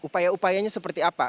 upaya upayanya seperti apa